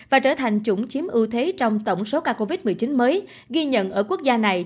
và trở thành chủng chiếm ưu thế trong tổng số ca covid một mươi chín mới ghi nhận ở quốc gia này